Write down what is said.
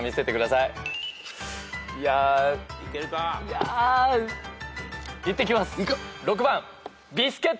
いやいや。いってきます。